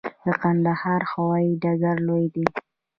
د کندهار هوايي ډګر لوی دی